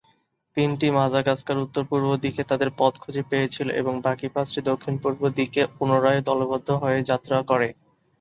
তিনটি মাদাগাস্কারের উত্তর-পূর্ব দিকে তাদের পথ খুঁজে পেয়েছিল, এবং বাকি পাঁচটি দক্ষিণ-পূর্ব দিকে পুনরায় দলবদ্ধ হয়ে যাত্রা করে।